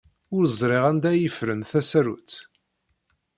Ur ẓriɣ anda ay ffren tasarut.